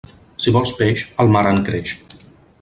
Si vols peix, al mar en creix.